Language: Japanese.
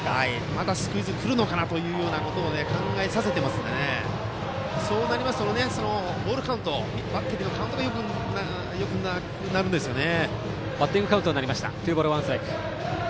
またスクイズが来るのかなと考えさせていますからそうなりますとボールカウントバッテリーのカウントがよくなくなるんですよね。